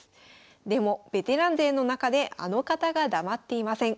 でもベテラン勢の中であの方が黙っていません。